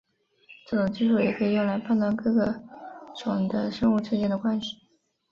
这种技术也可以用来判断各个种的生物之间的关系。